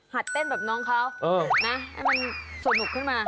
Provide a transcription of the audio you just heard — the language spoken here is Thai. เต้นแบบน้องเขานะให้มันสนุกขึ้นมา